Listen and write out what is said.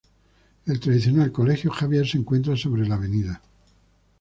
El tradicional Colegio Javier se encuentra sobre la Av.